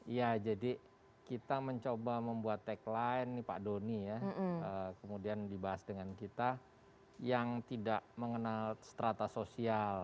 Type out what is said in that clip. ya jadi kita mencoba membuat tagline nih pak doni ya kemudian dibahas dengan kita yang tidak mengenal strata sosial